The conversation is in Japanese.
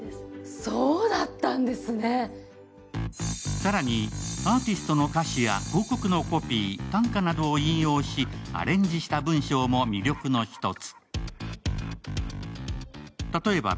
更に、アーティストの歌詞や広告のコピー、短歌などを引用し、アレンジした文章も魅力の１つ。